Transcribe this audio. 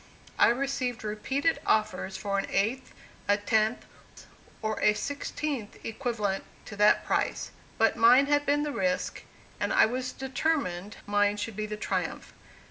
I received repeated offers for an eighth, a tenth, or a sixteenth, equivalent to that price. But mine had been the risk, and I was determined mine should be the triumph.